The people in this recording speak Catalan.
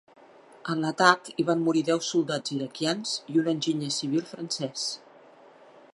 En l'atac hi van morir deu soldats iraquians i un enginyer civil francès.